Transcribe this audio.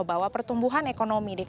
bahwa pertumbuhan ekonomi